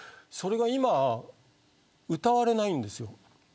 それが今は歌われないんです。